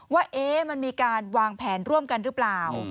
ว่ามันมีการวางแผนร่วมกันหรือเปล่า